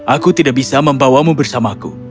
aku tidak bisa membawamu bersamaku